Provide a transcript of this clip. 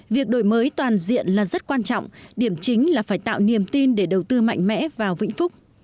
việc đổi mới toàn diện là rất quan trọng điểm chính là phải tạo niềm tin để đầu tư mạnh mẽ vào vĩnh phúc